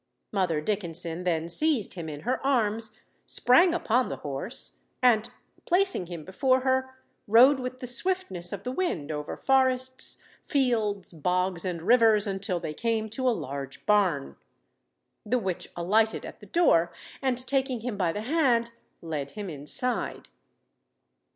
Mother Dickenson then seized him in her arms, sprang upon the horse, and placing him before her, rode with the swiftness of the wind over forests, fields, bogs, and rivers, until they came to a large barn. The witch alighted at the door, and, taking him by the hand, led him inside.